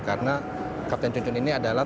karena kapten cuncun ini adalah